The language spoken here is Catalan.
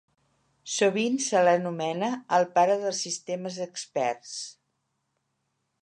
Sovint se l'anomena "el pare dels sistemes experts".